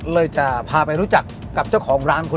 เลยจะพาไปรู้จักกับเจ้าของร้านคุณ